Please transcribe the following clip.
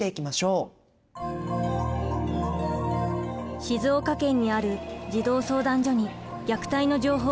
静岡県にある児童相談所に虐待の情報が寄せられました。